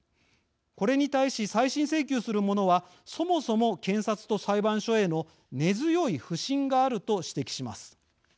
これに対し、再審請求する者はそもそも検察と裁判所への根強い不信があると指摘します。